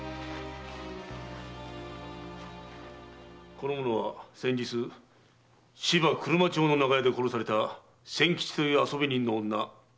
この者は先日芝車町の長屋で殺された仙吉という遊び人の女“おとみ”です。